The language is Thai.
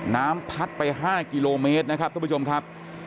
น้ำพัดไป๕กิโลเมตรนะครับทุกผู้ชมครับ